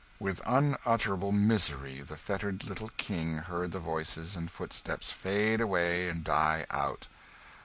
With unutterable misery the fettered little King heard the voices and footsteps fade away and die out.